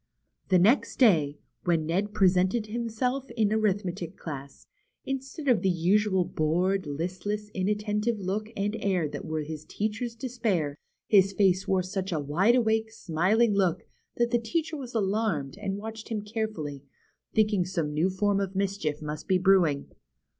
The next day, when Ned presented himself in the arithmetic class, instead of the usual bored, listless, in attentive look and air that were his teacher's despair, his face wore such a wide awake, smiling look, that the teacher was alarmed, and watched him carefully. BEHIND THE WARDROBE. 8i thinking some new form of mischief must be brewing.